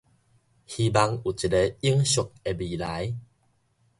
希望有一个永續的未來